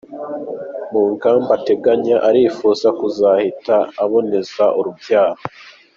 Mu ngamba ateganya arifuza kuzahita aboneza urubyaro.